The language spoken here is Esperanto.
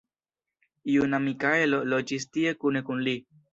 Juna Mikaelo loĝis tie kune kun li.